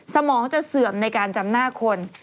สมองจะเสื่อมในการจำหน้าคน